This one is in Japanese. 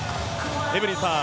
エブリンさん